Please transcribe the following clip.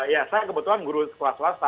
ya saya kebetulan guru sekolah swasta